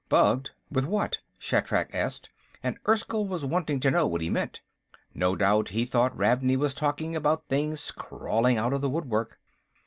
"Bugged? What with?" Shatrak asked, and Erskyll was wanting to know what he meant. No doubt he thought Ravney was talking about things crawling out of the woodwork.